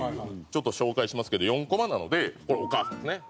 ちょっと紹介しますけど４コマなのでこれお母さんですね。